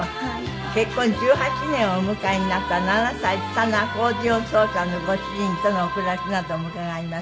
結婚１８年をお迎えになった７歳下のアコーディオン奏者のご主人とのお暮らしなども伺います。